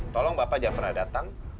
tolong bapak jangan pernah datang